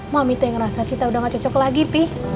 mami teh ngerasa kita udah gak cocok lagi pih